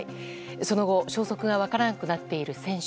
その後、消息が分からなくなっている選手。